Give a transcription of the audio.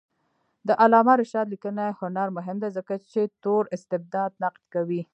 د علامه رشاد لیکنی هنر مهم دی ځکه چې تور استبداد نقد کوي.